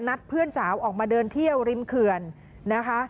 เพื่อนสาวออกมาเดินเที่ยวริมเขื่อนนะคะ